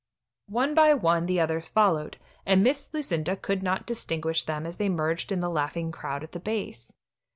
One by one the others followed, and Miss Lucinda could not distinguish them as they merged in the laughing crowd at the base.